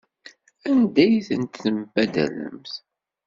Anda ay ten-tembaddalemt?